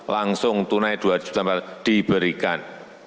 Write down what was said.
langsung tunai rp dua empat ratus diberikan